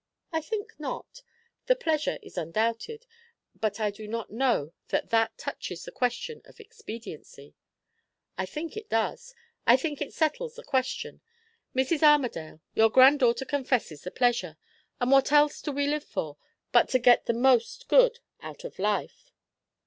"I think not. The pleasure is undoubted; but I do not know that that touches the question of expediency." "I think it does. I think it settles the question. Mrs. Armadale, your granddaughter confesses the pleasure; and what else do we live for, but to get the most good out of life?"